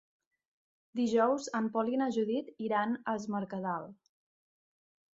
Dijous en Pol i na Judit iran a Es Mercadal.